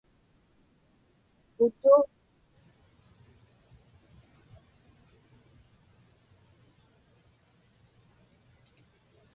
putu